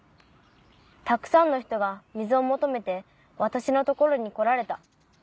たくさんの人が水を求めて私のところに来られた。